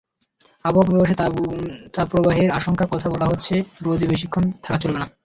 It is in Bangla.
আবহাওয়ার পূর্বাভাসে তাপপ্রবাহের আশঙ্কার কথা বলা হলে রোদে বেশিক্ষণ থাকা চলবে না।